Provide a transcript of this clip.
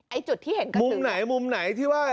จุดที่เห็นกันมุมไหนมุมไหนที่ว่า